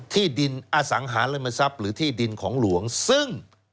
ที่ดินอสังหาริมทรัพย์หรือที่ดินของหลวงซึ่ง